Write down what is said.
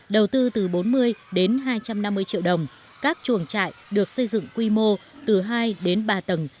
đầu tư từ bốn mươi đến hai trăm năm mươi triệu đồng các chuồng trại được xây dựng quy mô từ hai đến ba tầng